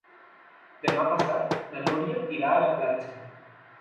Demà passat na Núria irà a la platja.